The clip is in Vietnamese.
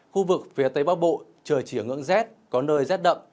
khu vực phía tây bắc bộ trời chỉ ở ngưỡng rét có nơi rét đậm